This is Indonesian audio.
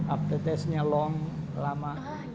atau apakah long lama